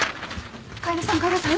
楓さん楓さん